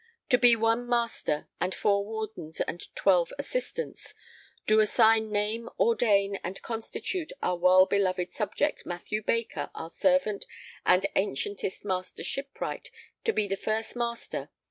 [To be] one Master and four Wardens and twelve Assistants ... do assign name ordain and constitute our well beloved subject Mathew Baker our servant and ancientest Master Shipwright to be the first Master